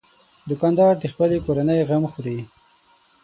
دوکاندار د خپلې کورنۍ غم خوري.